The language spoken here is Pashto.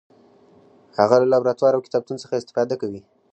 هغه له لابراتوار او کتابتون څخه استفاده کوي.